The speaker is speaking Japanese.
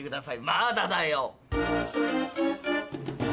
「まぁだだよ」。